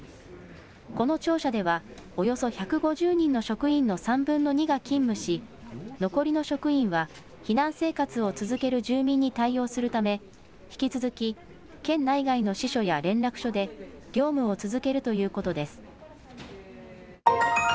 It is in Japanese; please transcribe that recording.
この庁舎ではおよそ１５０人の職員の３分の２が勤務し残りの職員は避難生活を続ける住民に対応するため引き続き県内外の支所や連絡所で業務を続けるということです。